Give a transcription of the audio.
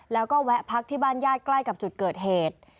แล้วก็แวะพักที่บ้านญาติใกล้กับจุดเกิดเหตุ